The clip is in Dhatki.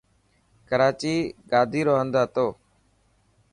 ڪراچي گادي رو هند هتو.